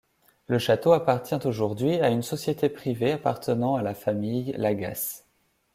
Le château appartient aujourd'hui à une société privée appartenant à la famille Lagasse.